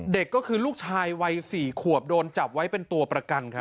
เด็กก็คือลูกชายวัย๔ขวบโดนจับไว้เป็นตัวประกันครับ